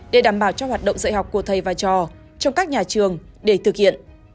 để đảm bảo cho hoạt động dạy học của thầy và trò trong các nhà trường để thực hiện